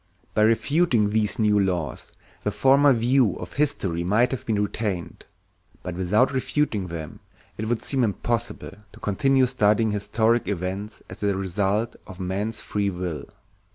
By refuting these new laws the former view of history might have been retained; but without refuting them it would seem impossible to continue studying historic events as the results of man's free will.